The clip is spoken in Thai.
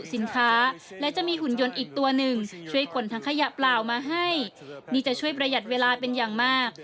สินค้าและจะมีหุ่นยนต์อีกตัวหนึ่งช่วยคนทั้งขยะเปล่ามาให้นี่จะช่วยประหยัดเวลาเป็นอย่างมาก